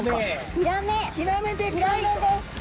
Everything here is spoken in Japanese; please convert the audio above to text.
ヒラメです！